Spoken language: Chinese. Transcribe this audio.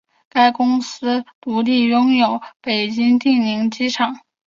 该公司独立拥有北京定陵机场。